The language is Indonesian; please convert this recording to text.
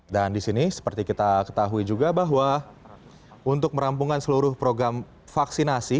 dan di sini seperti kita ketahui juga bahwa untuk merampungkan seluruh program vaksinasi